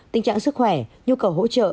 tình trạng sức khỏe nhu cầu hỗ trợ